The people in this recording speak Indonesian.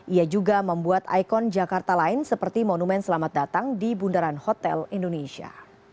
ia juga membuat ikon jakarta lain seperti monumen selamat datang di bundaran hotel indonesia